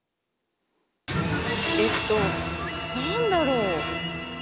えっとなんだろう？